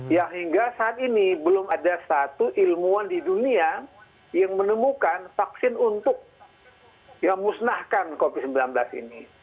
yang hingga saat ini belum ada satu ilmuwan di dunia yang menemukan vaksin untuk yang musnahkan covid sembilan belas ini